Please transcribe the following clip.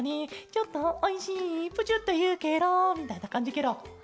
「ちょっとおいしいプチュッというケロ」みたいなかんじケロ。